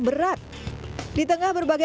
berat di tengah berbagai